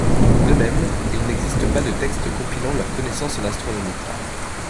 De même, il n’existe pas de texte compilant leurs connaissances en astronomie.